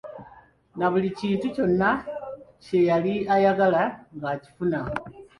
Na buli kintu kyonna kye yali ayagala ng'akifuna.